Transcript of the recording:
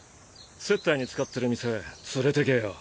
接待に使ってる店連れてけよ。